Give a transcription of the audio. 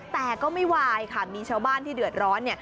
แต่ก็ไม่วายค่ะมีชาวบ้านที่เดือดร้อน